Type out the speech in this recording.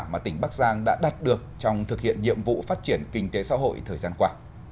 mà tỉnh bắc giang đã đạt được trong thực hiện nhiệm vụ phát triển kinh tế xã hội thời gian qua